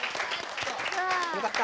よかった。